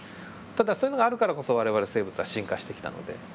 ただそういうのがあるからこそ我々生物は進化してきたので。